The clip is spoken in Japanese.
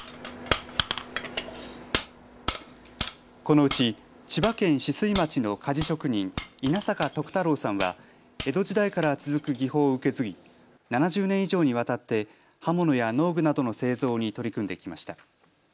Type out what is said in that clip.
このうち千葉県酒々井町の鍛冶職人、稲坂徳太郎さんは江戸時代から続く技法を受け継ぎ７０年以上にわたって刃物や農具などの製造に取り組んできました。